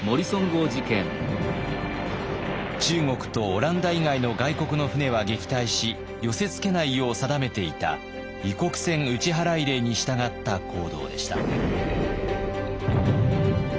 中国とオランダ以外の外国の船は撃退し寄せ付けないよう定めていた異国船打払令に従った行動でした。